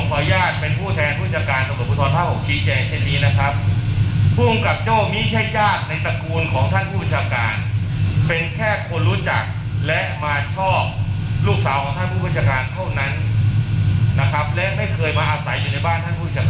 แล้วไม่เคยมาอาศัยอยู่ในบ้านท่านผู้บัญชาการแค่มาคบหากันเป็นเพื่อนสนิท